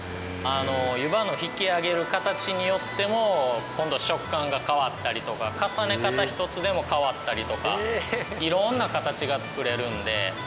湯葉の引きあげる形によっても今度食感が変わったりとか重ね方一つでも変わったりとか色んな形が作れるので。